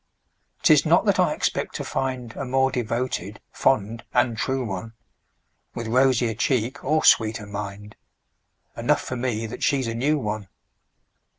'Tis not that I expect to find A more devoted, fond and true one, With rosier cheek or sweeter mind Enough for me that she's a new one.